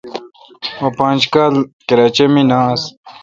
مہ پانچ کال کراچے°مے° نہ آس۔